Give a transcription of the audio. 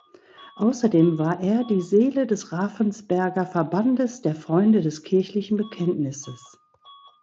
Außerdem war er die Seele des Ravensberger "Verbandes der Freunde des Kirchlichen Bekenntnisses".